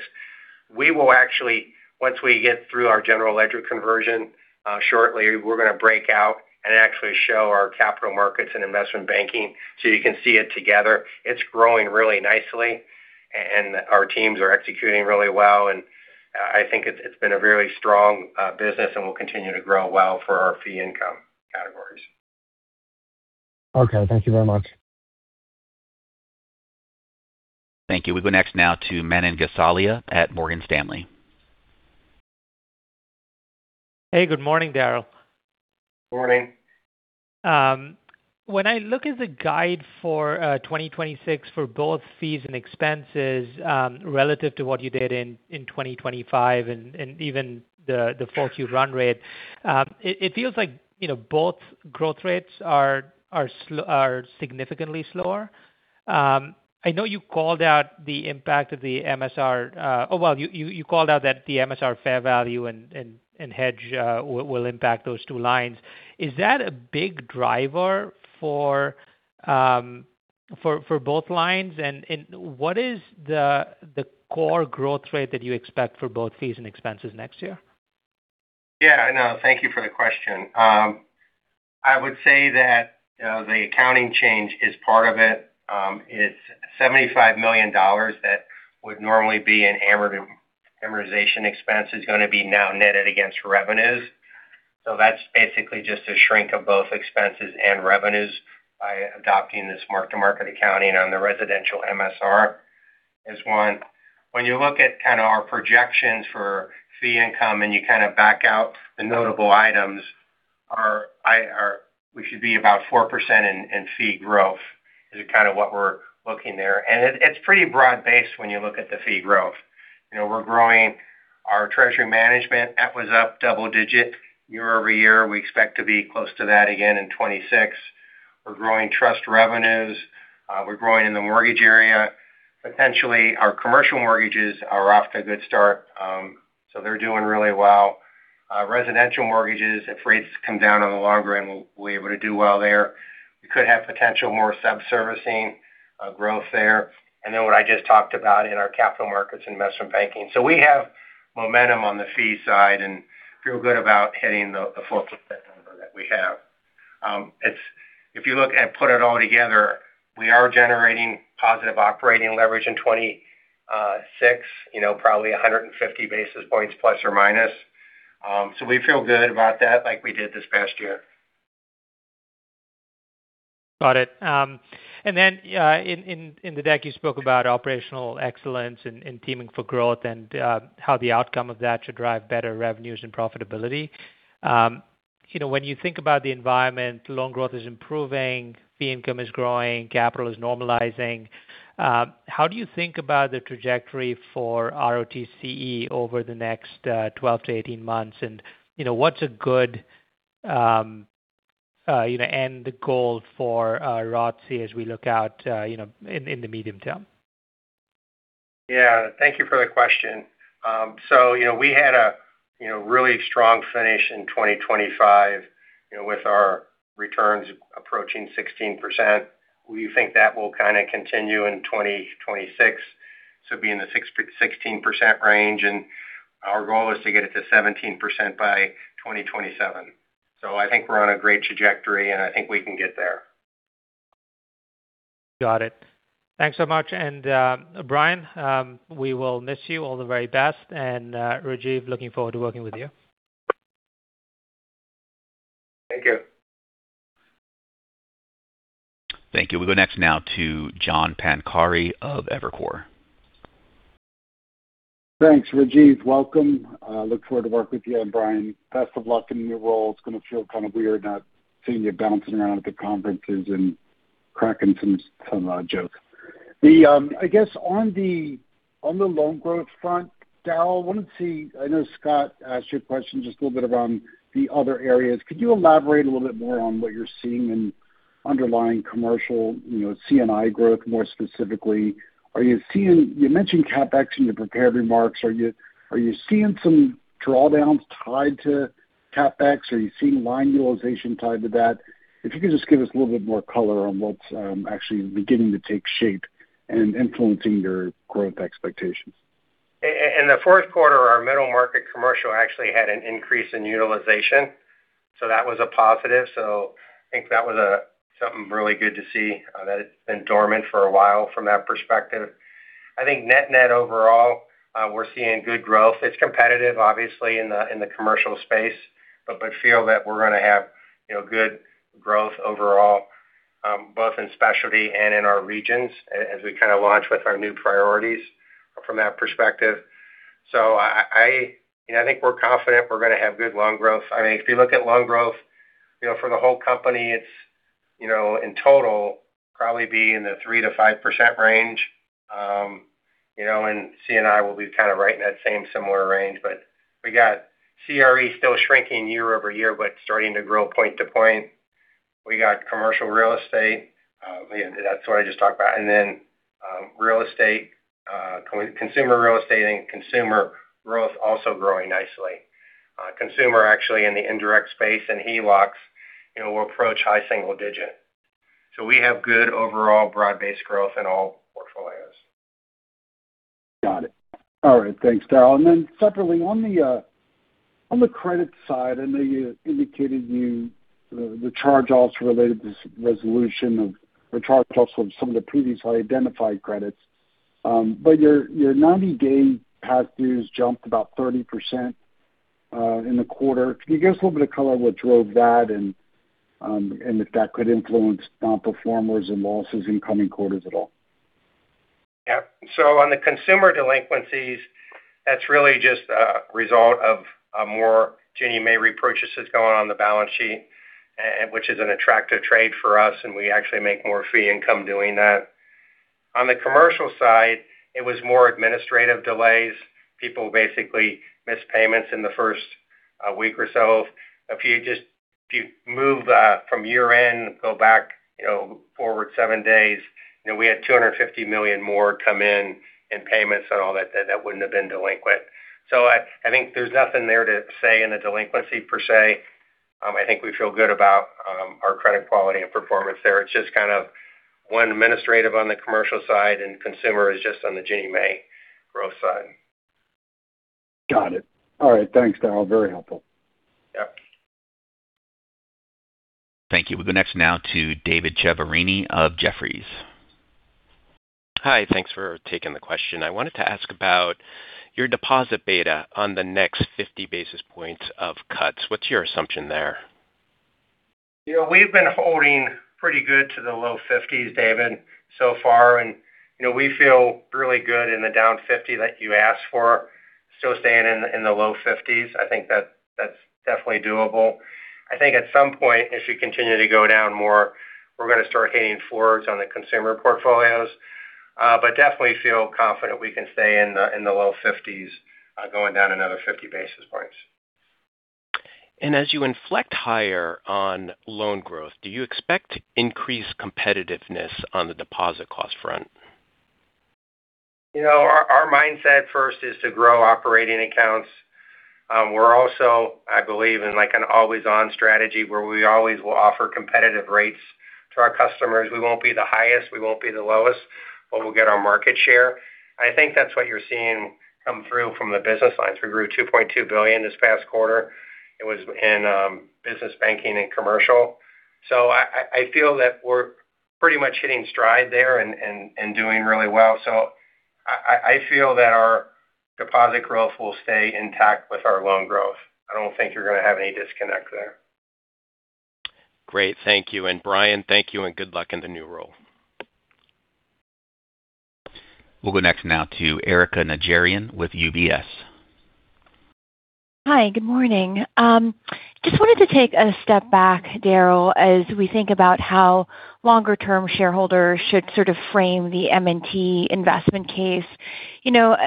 We will actually, once we get through our general ledger conversion shortly, we're going to break out and actually show our capital markets and investment banking so you can see it together. It's growing really nicely, and our teams are executing really well. And I think it's been a very strong business, and we'll continue to grow well for our fee income categories. Okay. Thank you very much. Thank you. We go next now to Manan Gosalia at Morgan Stanley. Hey, good morning, Daryl. Morning. When I look at the guide for 2026 for both fees and expenses relative to what you did in 2025 and even the fourth-year run rate, it feels like both growth rates are significantly slower. I know you called out the impact of the MSR oh, well, you called out that the MSR fair value and hedge will impact those two lines. Is that a big driver for both lines? And what is the core growth rate that you expect for both fees and expenses next year? Yeah. I know. Thank you for the question. I would say that the accounting change is part of it. It's $75 million that would normally be in amortization expense, is going to be now netted against revenues. So that's basically just a shrink of both expenses and revenues by adopting this mark-to-market accounting on the residential MSR. Is one. When you look at kind of our projections for fee income and you kind of back out the notable items, we should be about 4% in fee growth, is kind of what we're looking there. And it's pretty broad-based when you look at the fee growth. We're growing our Treasury Management. That was up double-digit year over year. We expect to be close to that again in 2026. We're growing trust revenues. We're growing in the mortgage area. Potentially, our Commercial mortgages are off to a good start. So they're doing really well. Residential mortgages, if rates come down on the longer end, we'll be able to do well there. We could have potential more subservicing growth there. And then what I just talked about in our capital markets investment banking. So we have momentum on the fee side and feel good about hitting the 4% number that we have. If you look and put it all together, we are generating positive operating leverage in 2026, probably 150 basis points plus or minus. So we feel good about that like we did this past year. Got it. Then in the deck, you spoke about operational excellence and teaming for growth and how the outcome of that should drive better revenues and profitability. When you think about the environment, loan growth is improving, fee income is growing, capital is normalizing. How do you think about the trajectory for ROTCE over the next 12-18 months? And what's a good end goal for ROTCE as we look out in the medium term? Yeah. Thank you for the question. So we had a really strong finish in 2025 with our returns approaching 16%. We think that will kind of continue in 2026, so be in the 16% range. And our goal is to get it to 17% by 2027. So I think we're on a great trajectory, and I think we can get there. Got it. Thanks so much. And Brian, we will miss you. All the very best. And Rajiv, looking forward to working with you. Thank you. Thank you. We go next now to John Pancari of Evercore. Thanks, Rajiv. Welcome. I look forward to working with you and Brian. Best of luck in the new role. It's going to feel kind of weird not seeing you bouncing around at the conferences and cracking some jokes. I guess on the loan growth front, Daryl, I want to say I know Scott asked you a question just a little bit around the other areas. Could you elaborate a little bit more on what you're seeing in underlying Commercial C&I growth more specifically? You mentioned CapEx in your prepared remarks. Are you seeing some drawdowns tied to CapEx? Are you seeing line utilization tied to that? If you could just give us a little bit more color on what's actually beginning to take shape and influencing your growth expectations. In the fourth quarter, our middle market Commercial actually had an increase in utilization. So that was a positive. So I think that was something really good to see that it's been dormant for a while from that perspective. I think net-net overall, we're seeing good growth. It's competitive, obviously, in the Commercial space, but feel that we're going to have good growth overall, both in specialty and in our regions as we kind of launch with our new priorities from that perspective. So I think we're confident we're going to have good loan growth. I mean, if you look at loan growth for the whole company, it's in total probably be in the 3%-5% range. C&I will be kind of right in that same similar range. But we got CRE still shrinking year over year, but starting to grow point to point. We got Commercial real estate. That's what I just talked about. And then real estate, consumer real estate, and consumer growth also growing nicely. Consumer actually in the indirect space and HELOCs will approach high single digit. So we have good overall broad-based growth in all portfolios. Got it. All right. Thanks, Daryl. And then separately, on the credit side, I know you indicated the charge-offs related to resolution of the charge-offs of some of the previously identified credits. But your 90-day past dues jumped about 30% in the quarter. Can you give us a little bit of color what drove that and if that could influence non-performers and losses in coming quarters at all? Yep. So on the consumer delinquencies, that's really just a result of more Ginnie Mae repurchases going on the balance sheet, which is an attractive trade for us. And we actually make more fee income doing that. On the Commercial side, it was more administrative delays. People basically missed payments in the first week or so. If you move from year-end, go back forward seven days, we had $250 million more come in payments and all that wouldn't have been delinquent. So I think there's nothing there to say in the delinquency per se. I think we feel good about our credit quality and performance there. It's just kind of one administrative on the Commercial side, and consumer is just on the Ginnie Mae growth side. Got it. All right. Thanks, Daryl. Very helpful. Yep. Thank you. We go next now to David Chiaverini of Jefferies. Hi. Thanks for taking the question. I wanted to ask about your deposit beta on the next 50 basis points of cuts. What's your assumption there? We've been holding pretty good to the low 50s, David, so far. And we feel really good in the down 50 that you asked for, still staying in the low 50s. I think that's definitely doable. I think at some point, if you continue to go down more, we're going to start hitting floors on the consumer portfolios. But definitely feel confident we can stay in the low 50s going down another 50 basis points. And as you inflect higher on loan growth, do you expect increased competitiveness on the deposit cost front? Our mindset first is to grow operating accounts. We're also, I believe, in an always-on strategy where we always will offer competitive rates to our customers. We won't be the highest. We won't be the lowest, but we'll get our market share. I think that's what you're seeing come through from the business lines. We grew $2.2 billion this past quarter. It was in Business Banking and commercial. So I feel that we're pretty much hitting stride there and doing really well. So I feel that our deposit growth will stay intact with our loan growth. I don't think you're going to have any disconnect there. Great. Thank you. And Brian, thank you, and good luck in the new role. We'll go next now to Erika Najarian with UBS. Hi. Good morning. Just wanted to take a step back, Daryl, as we think about how longer-term shareholders should sort of frame the M&T investment case.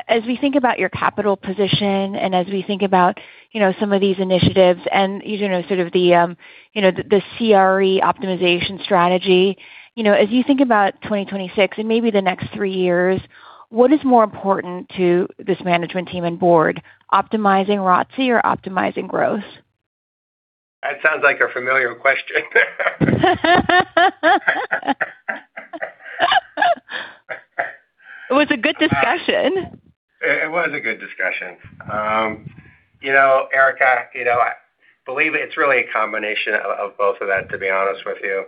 As we think about your capital position and as we think about some of these initiatives and sort of the CRE optimization strategy, as you think about 2026 and maybe the next three years, what is more important to this management team and board? Optimizing ROTCE or optimizing growth? That sounds like a familiar question. It was a good discussion. It was a good discussion. Erica, I believe it's really a combination of both of that, to be honest with you.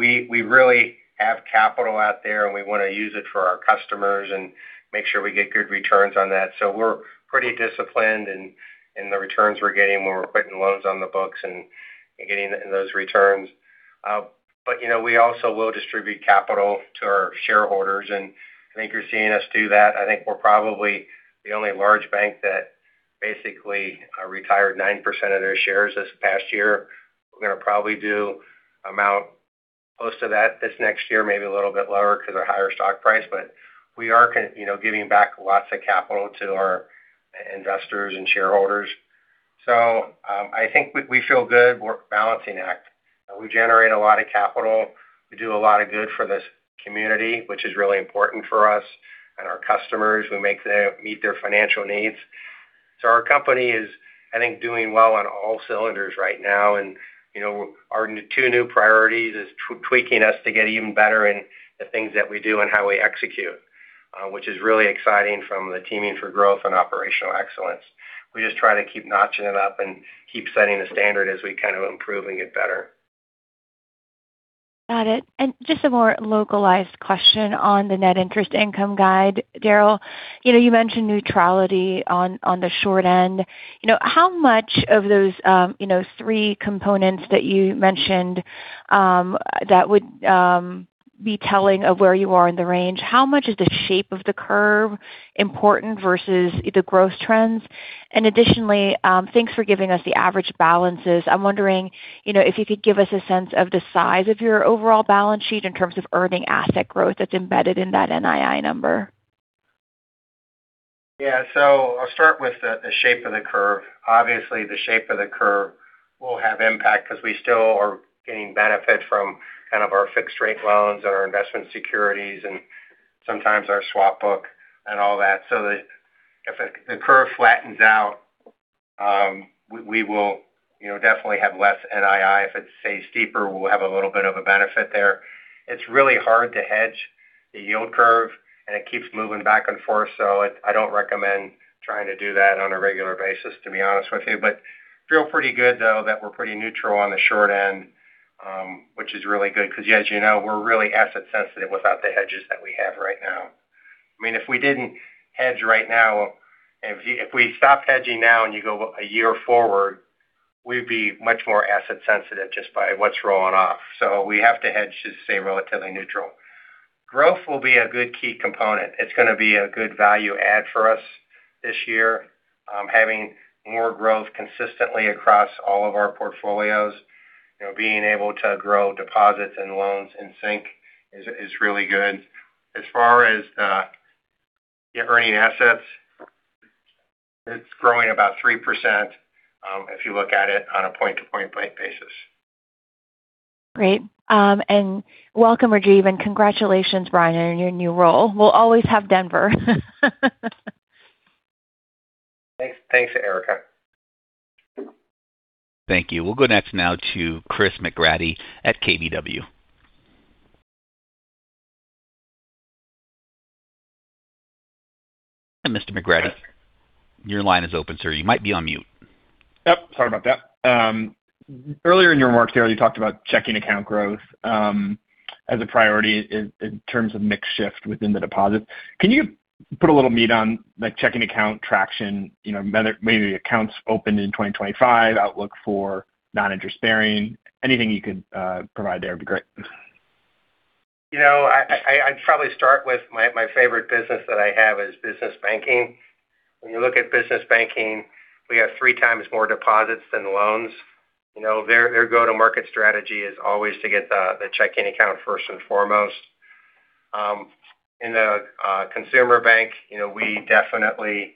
We really have capital out there, and we want to use it for our customers and make sure we get good returns on that. So we're pretty disciplined in the returns we're getting when we're putting loans on the books and getting those returns. But we also will distribute capital to our shareholders. And I think you're seeing us do that. I think we're probably the only large bank that basically retired 9% of their shares this past year. We're going to probably do about close to that this next year, maybe a little bit lower because of our higher stock price. But we are giving back lots of capital to our investors and shareholders. So I think we feel good. We're balancing act. We generate a lot of capital. We do a lot of good for this community, which is really important for us and our customers. We make them meet their financial needs. So our company is, I think, doing well on all cylinders right now. And our two new priorities are tweaking us to get even better in the things that we do and how we execute, which is really exciting from the teaming for growth and operational excellence. We just try to keep notching it up and keep setting the standard as we kind of improve and get better. Got it, and just a more localized question on the net interest income guide, Daryl. You mentioned neutrality on the short end. How much of those three components that you mentioned that would be telling of where you are in the range, how much is the shape of the curve important versus the growth trends? And additionally, thanks for giving us the average balances. I'm wondering if you could give us a sense of the size of your overall balance sheet in terms of earning asset growth that's embedded in that NII number. Yeah. So I'll start with the shape of the curve. Obviously, the shape of the curve will have impact because we still are getting benefit from kind of our fixed-rate loans and our investment securities and sometimes our swap book and all that, so if the curve flattens out, we will definitely have less NII. If it stays steeper, we'll have a little bit of a benefit there. It's really hard to hedge the yield curve, and it keeps moving back and forth, so I don't recommend trying to do that on a regular basis, to be honest with you, but feel pretty good, though, that we're pretty neutral on the short end, which is really good because, as you know, we're really asset-sensitive without the hedges that we have right now. I mean, if we didn't hedge right now, if we stopped hedging now and you go a year forward, we'd be much more asset-sensitive just by what's rolling off. So we have to hedge to stay relatively neutral. Growth will be a good key component. It's going to be a good value add for us this year. Having more growth consistently across all of our portfolios, being able to grow deposits and loans in sync is really good. As far as the earning assets, it's growing about 3% if you look at it on a point-to-point basis. Great. And welcome, Rajiv. And congratulations, Brian, on your new role. We'll always have Denver. Thanks, Erica. Thank you. We'll go next now to Chris McGratty at KBW. Mr. McGratty, your line is open, sir. You might be on mute. Yep. Sorry about that. Earlier in your remarks, Daryl, you talked about checking account growth as a priority in terms of mix shift within the deposits. Can you put a little meat on checking account traction, maybe accounts opened in 2025, outlook for non-interest bearing? Anything you could provide there would be great. I'd probably start with my favorite business that I have is Business Banking. When you look at Business Banking, we have three times more deposits than loans. Their go-to-market strategy is always to get the checking account first and foremost. In the Consumer Bank, we definitely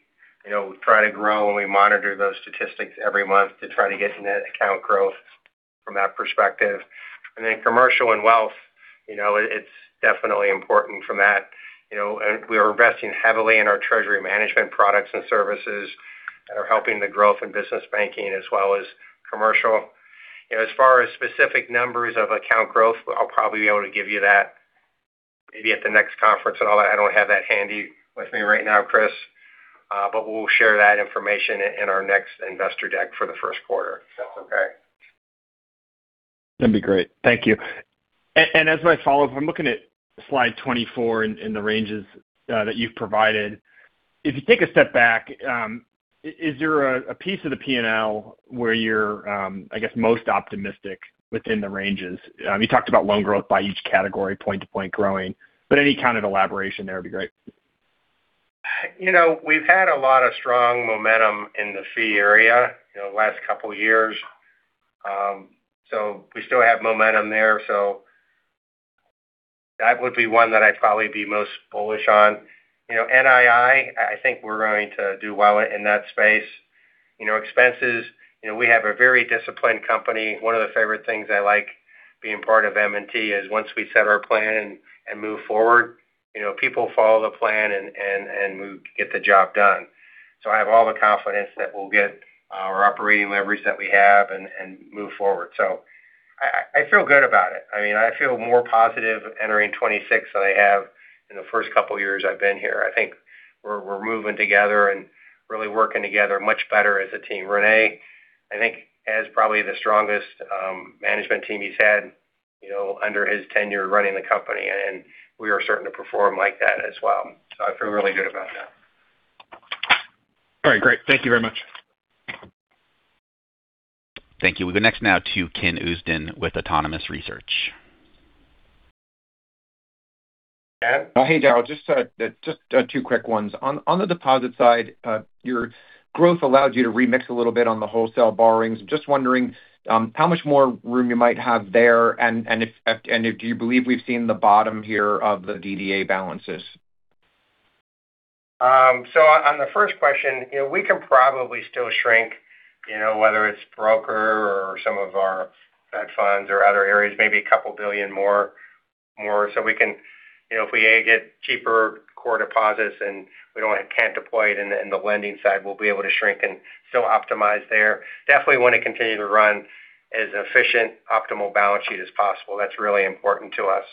try to grow, and we monitor those statistics every month to try to get net account growth from that perspective, and then commercial and wealth, it's definitely important from that. We are investing heavily in our Treasury Management products and services that are helping the growth in Business Banking as well as commercial. As far as specific numbers of account growth, I'll probably be able to give you that maybe at the next conference and all that. I don't have that handy with me right now, Chris. But we'll share that information in our next investor deck for the first quarter if that's okay. That'd be great. Thank you. And as my follow-up, I'm looking at Slide 24 in the ranges that you've provided. If you take a step back, is there a piece of the P&L where you're, I guess, most optimistic within the ranges? You talked about loan growth by each category, point-to-point growing. But any kind of elaboration there would be great. We've had a lot of strong momentum in the fee area the last couple of years. So we still have momentum there. So that would be one that I'd probably be most bullish on. NII, I think we're going to do well in that space. Expenses, we have a very disciplined company. One of the favorite things I like being part of M&T is once we set our plan and move forward, people follow the plan, and we get the job done. So I have all the confidence that we'll get our operating leverage that we have and move forward. So I feel good about it. I mean, I feel more positive entering 2026 than I have in the first couple of years I've been here. I think we're moving together and really working together much better as a team. René, I think, has probably the strongest management team he's had under his tenure running the company. And we are starting to perform like that as well. So I feel really good about that. All right. Great. Thank you very much. Thank you. We go next now to Ken Usdin with Autonomous Research. Ken. Hey, Daryl. Just two quick ones. On the deposit side, your growth allowed you to remix a little bit on the wholesale borrowings. Just wondering how much more room you might have there, and do you believe we've seen the bottom here of the DDA balances? So on the first question, we can probably still shrink, whether it's brokered or some of our hedge funds or other areas, maybe a couple of billion more. So if we get cheaper core deposits and we can't deploy it in the lending side, we'll be able to shrink and still optimize there. Definitely want to continue to run as efficient, optimal balance sheet as possible. That's really important to us.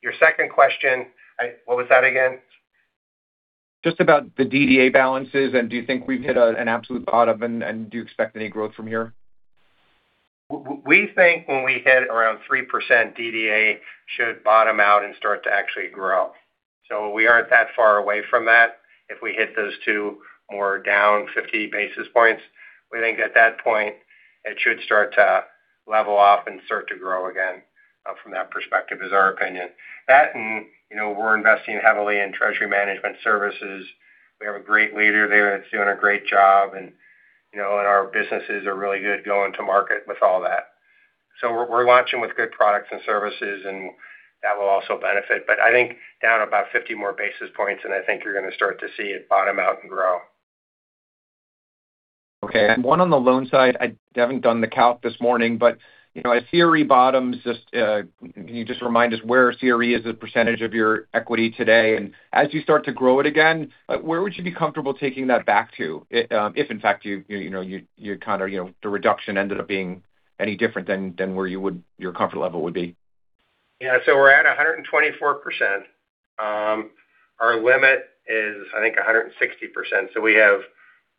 Your second question, what was that again? Just about the DDA balances. Do you think we've hit an absolute bottom, and do you expect any growth from here? We think when we hit around 3% DDA, it should bottom out and start to actually grow. So we aren't that far away from that. If we hit those two more down 50 basis points, we think at that point, it should start to level off and start to grow again from that perspective is our opinion. That and we're investing heavily in Treasury Management services. We have a great leader there that's doing a great job. And our businesses are really good going to market with all that. So we're launching with good products and services, and that will also benefit. But I think down about 50 more basis points, and I think you're going to start to see it bottom out and grow. Okay. One on the loan side, I haven't done the calc this morning, but CRE bottoms. Can you just remind us where CRE is the percentage of your equity today? And as you start to grow it again, where would you be comfortable taking that back to if, in fact, you kind of the reduction ended up being any different than where your comfort level would be? Yeah. So we're at 124%. Our limit is, I think, 160%. So we have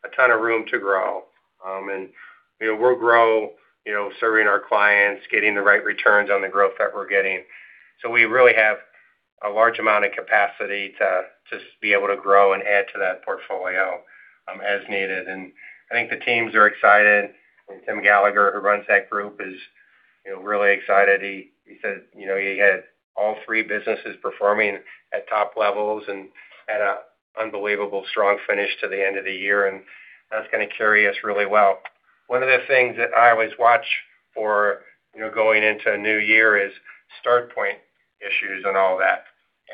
a ton of room to grow. And we'll grow serving our clients, getting the right returns on the growth that we're getting. So we really have a large amount of capacity to just be able to grow and add to that portfolio as needed. And I think the teams are excited. And Tim Gallagher, who runs that group, is really excited. He said he had all three businesses performing at top levels and had an unbelievably strong finish to the end of the year, and that's going to carry us really well. One of the things that I always watch for going into a new year is start point issues and all that,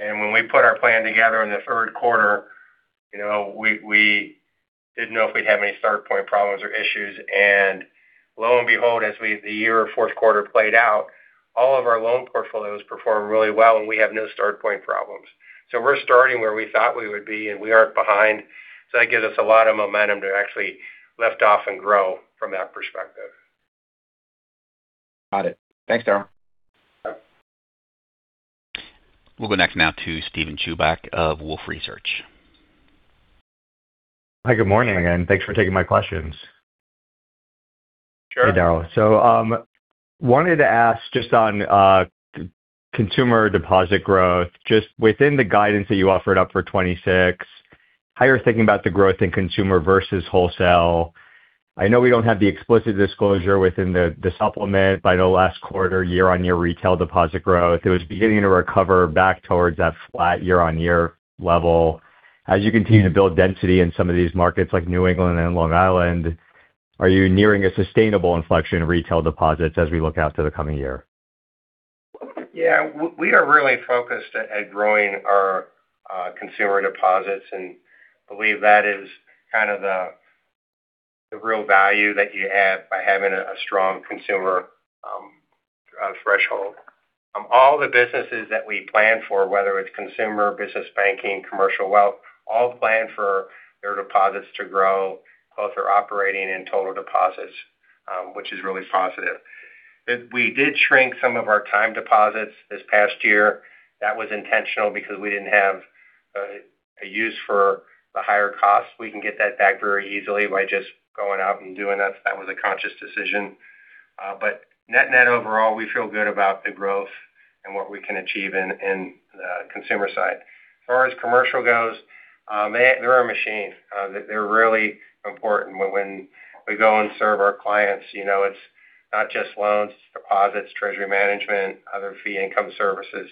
and when we put our plan together in the third quarter, we didn't know if we'd have any start point problems or issues, and lo and behold, as the year or fourth quarter played out, all of our loan portfolios performed really well, and we have no start point problems, so we're starting where we thought we would be, and we aren't behind, so that gives us a lot of momentum to actually lift off and grow from that perspective. Got it. Thanks, Daryl. We'll go next now to Steven Chubak of Wolfe Research. Hi, good morning again. Thanks for taking my questions. Sure. Hey, Daryl. So wanted to ask just on consumer deposit growth. Just within the guidance that you offered up for 2026, how you're thinking about the growth in consumer versus wholesale. I know we don't have the explicit disclosure within the supplement, but I know last quarter, year-on-year Retail deposit growth, it was beginning to recover back towards that flat year-on-year level. As you continue to build density in some of these markets like New England and Long Island, are you nearing a sustainable inflection in Retail deposits as we look out to the coming year? Yeah. We are really focused at growing our consumer deposits. And I believe that is kind of the real value that you have by having a strong consumer threshold. All the businesses that we plan for, whether it's Consumer, Business Banking, Commercial Wealth, all plan for their deposits to grow, both their operating and total deposits, which is really positive. We did shrink some of our time deposits this past year. That was intentional because we didn't have a use for the higher costs. We can get that back very easily by just going out and doing that. That was a conscious decision. But net-net overall, we feel good about the growth and what we can achieve in the consumer side. As far as commercial goes, they're our machine. They're really important when we go and serve our clients. It's not just loans. It's deposits, Treasury Management, other fee-income services.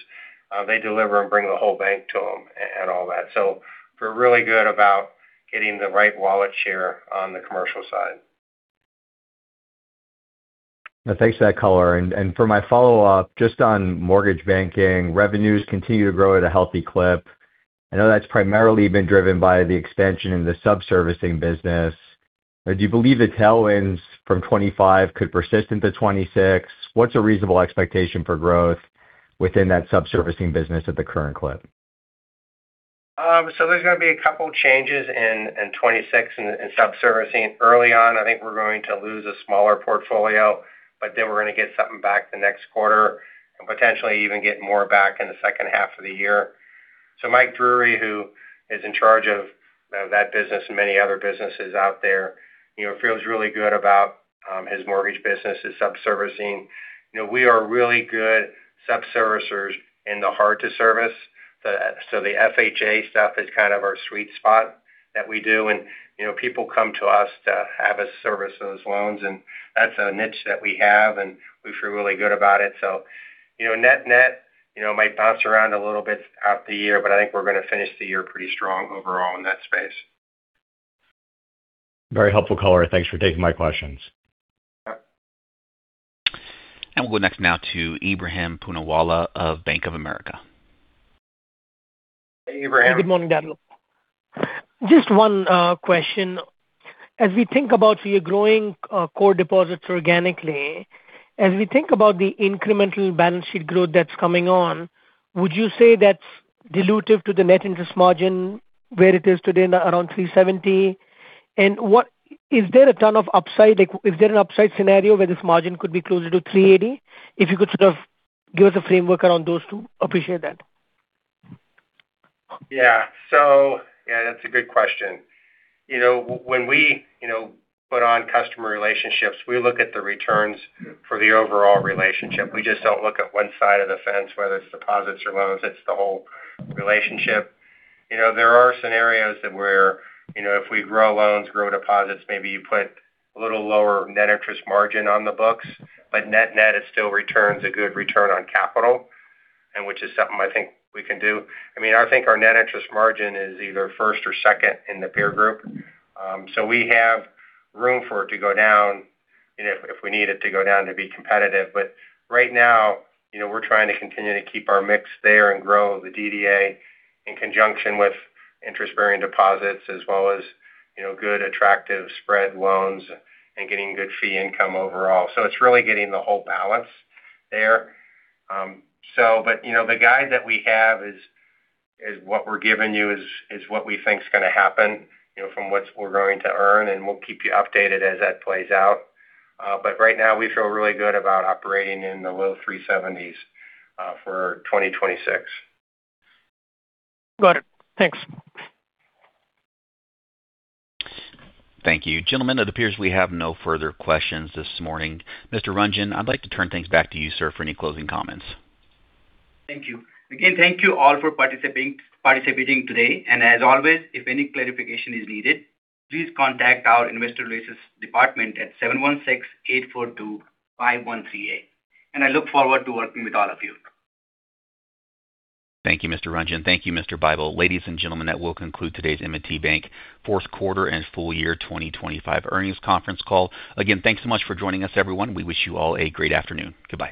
They deliver and bring the whole bank to them and all that. So we're really good about getting the right wallet share on the commercial side. Thanks for that, color. For my follow-up, just on mortgage banking, revenues continue to grow at a healthy clip. I know that's primarily been driven by the expansion in the subservicing business. Do you believe the tailwinds from 2025 could persist into 2026? What's a reasonable expectation for growth within that subservicing business at the current clip? So there's going to be a couple of changes in 2026 in subservicing. Early on, I think we're going to lose a smaller portfolio, but then we're going to get something back the next quarter and potentially even get more back in the second half of the year. So Mike Drury, who is in charge of that business and many other businesses out there, feels really good about his mortgage business, his subservicing. We are really good subservicers in the hard-to-service. So the FHA stuff is kind of our sweet spot that we do. And people come to us to have us service those loans. And that's a niche that we have, and we feel really good about it. So net-net, it might bounce around a little bit throughout the year, but I think we're going to finish the year pretty strong overall in that space. Very helpful, color. Thanks for taking my questions. And we'll go next now to Ebrahim Poonawalla of Bank of America. Hey, Ebrahim. Good morning, Daryl. Just one question. As we think about your growing core deposits organically, as we think about the incremental balance sheet growth that's coming on, would you say that's dilutive to the net interest margin where it is today, around 370? And is there a ton of upside? Is there an upside scenario where this margin could be closer to 380? If you could sort of give us a framework around those two, appreciate that. Yeah. So yeah, that's a good question. When we put on customer relationships, we look at the returns for the overall relationship. We just don't look at one side of the fence, whether it's deposits or loans. It's the whole relationship. There are scenarios where if we grow loans, grow deposits, maybe you put a little lower net interest margin on the books. But net-net is still returns a good return on capital, which is something I think we can do. I mean, I think our net interest margin is either first or second in the peer group. So we have room for it to go down if we need it to go down to be competitive. But right now, we're trying to continue to keep our mix there and grow the DDA in conjunction with interest-bearing deposits as well as good attractive spread loans and getting good fee income overall. So it's really getting the whole balance there. But the guide that we have is what we're giving you is what we think's going to happen from what we're going to earn. And we'll keep you updated as that plays out. But right now, we feel really good about operating in the low 370s for 2026. Got it. Thanks. Thank you. Gentlemen, it appears we have no further questions this morning. Mr. Ranjan, I'd like to turn things back to you, sir, for any closing comments. Thank you. Again, thank you all for participating today. And as always, if any clarification is needed, please contact our investor relations department at 716-842-5138. I look forward to working with all of you. Thank you, Mr. Ranjan. Thank you, Mr. Bible. Ladies and gentlemen, that will conclude today's M&T Bank fourth quarter and full year 2025 earnings conference call. Again, thanks so much for joining us, everyone. We wish you all a great afternoon. Goodbye.